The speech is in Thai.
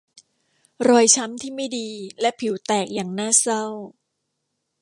รอยช้ำที่ไม่ดีและผิวแตกอย่างน่าเศร้า